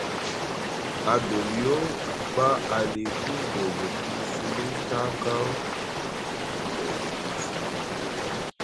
Adoliyo ɓa aliku doogo pii sulu taa kaw aliya doogo pii sulu lay.